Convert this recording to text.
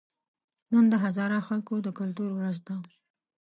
نن د هزاره خلکو د کلتور ورځ ده